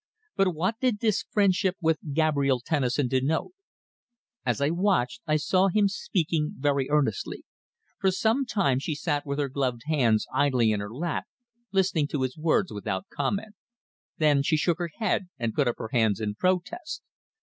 But what did this friendship with Gabrielle Tennison denote? As I watched I saw him speaking very earnestly. For some time she sat with her gloved hands idly in her lap listening to his words without comment. Then she shook her head, and put up her hands in protest.